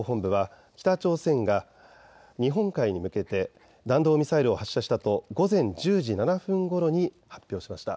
韓国軍の合同参謀本部は北朝鮮が日本海に向けて弾道ミサイルを発射したと午前１０時７分ごろに発表しました。